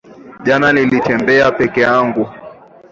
Jana nilitembea peke yangu